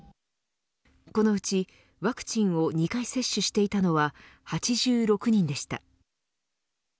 このうちワクチンを２回接種していたのは８６人でした。